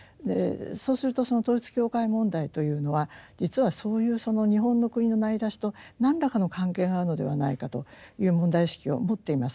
そうするとその統一教会問題というのは実はそういうその日本の国の成り立ちと何らかの関係があるのではないかという問題意識を持っています。